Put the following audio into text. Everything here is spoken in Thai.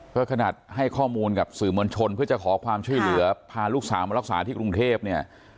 ก็ขนาดให้ข้อมูลกับสื่อมวลชนเพื่อจะขอความช่วยเหลือพาลูกสาวมารักษาที่กรุงเทพเนี่ย